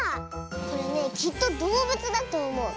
これねきっとどうぶつだとおもう。